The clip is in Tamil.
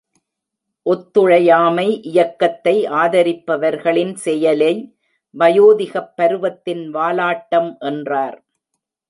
ஒத்துழையாமை இயக்கத்தை ஆதரிப்பவர்களின் செயலை வயோதிகப் பருவத்தின் வாலாட்டம் என்றார்.